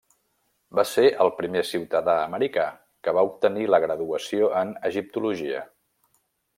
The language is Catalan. Va ser el primer ciutadà americà que va obtenir la graduació en egiptologia.